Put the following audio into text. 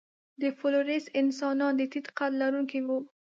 د فلورېس انسانان د ټیټ قد لرونکي وو.